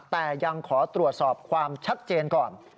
แต่ยังขอตรวจสอบความชัดเจนก่อน